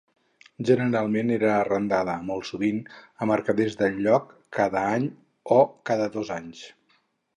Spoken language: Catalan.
Generalment era arrendada, molt sovint a mercaders del lloc, cada any o cada dos anys.